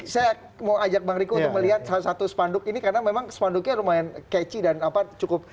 saya mau ajak bang riko untuk melihat salah satu spanduk ini karena memang spanduknya lumayan keci dan cukup